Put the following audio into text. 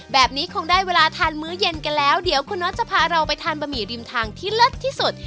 แบบนี้คงได้เวลาทานมื้อเย็นกันแล้วเดี๋ยวคุณน็อตจะพาเราไปทานบะหมี่ริมทางที่เลิศที่สุด